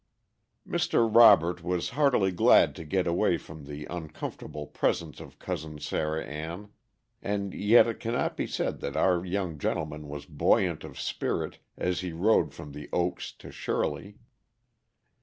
_ Mr. Robert was heartily glad to get away from the uncomfortable presence of Cousin Sarah Ann, and yet it can not be said that our young gentleman was buoyant of spirit as he rode from The Oaks to Shirley.